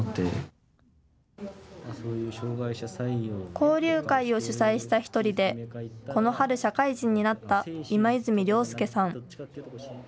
交流会を主催した１人でこの春、社会人になった今泉良輔さん。